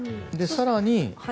更に。